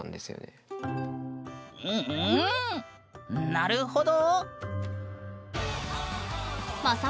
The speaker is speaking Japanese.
なるほど？